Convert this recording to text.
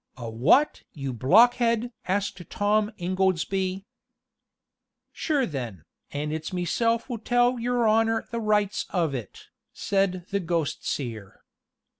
"A what? you blockhead!" asked Tom Ingoldsby. "Sure then, and it's meself will tell your honor the rights of it," said the ghost seer.